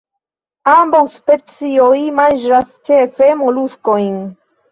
Ambaŭ specioj manĝas ĉefe moluskojn.